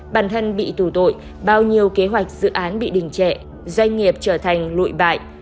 bản thân bị tù tội bao nhiêu kế hoạch dự án bị đình trệ doanh nghiệp trở thành lụi bại